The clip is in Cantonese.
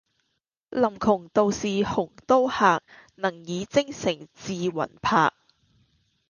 臨邛道士鴻都客，能以精誠致魂魄。